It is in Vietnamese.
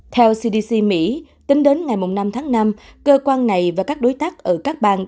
theo cdc mỹ tính đến ngày năm tháng năm cơ quan này và các đối tác ở các bang